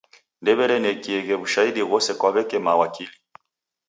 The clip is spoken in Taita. Ndew'erenekieghe w'ushahidi ghose kwa w'eke mawakili.